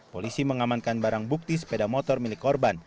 polisi mengamankan barang bukti sepeda motor milik korban